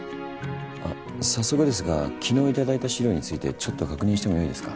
あっ早速ですが昨日頂いた資料についてちょっと確認しても良いですか？